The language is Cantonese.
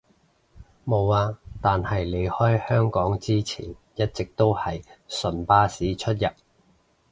無呀，但係離開香港之前一直都係純巴士出入